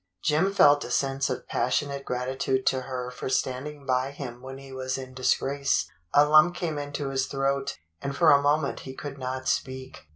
Jim felt a sense of passionate gratitude to her for standing by him when he was in disgrace. A lump came into his throat, and for a moment he could not speak.